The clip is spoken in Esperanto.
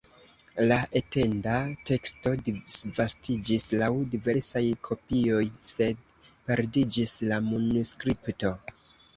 La etenda teksto disvastiĝis laŭ diversaj kopioj, sed perdiĝis la manuskripto.